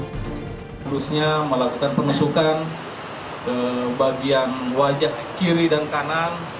terusnya melakukan penusukan bagian wajah kiri dan kanan